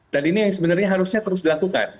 dan ini yang sebenarnya harusnya terus dilakukan